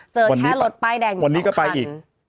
เจอแค่รถป้ายแดงอยู่๒คัน